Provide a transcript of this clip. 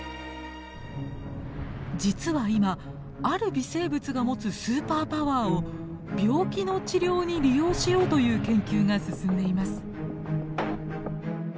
実は今ある微生物が持つスーパーパワーを病気の治療に利用しようという研究が進んでいます。